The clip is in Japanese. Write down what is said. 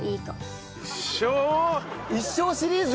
一生シリーズ！